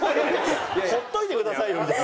「ほっといてくださいよ」みたいな。